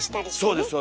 そうです